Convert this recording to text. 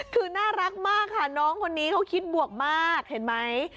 คือน่ารักมากค่ะน้องคนนี้เขาคิดบวกมากเห็นไหม